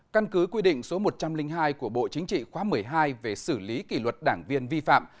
căn cứ quy định số một trăm linh hai của bộ chính trị khóa một mươi hai về xử lý kỷ luật đảng viên vi phạm